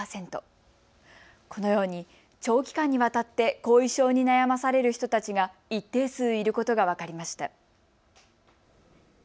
このように長期間にわたって後遺症に悩まされる人たちが一定数いることが分かりました。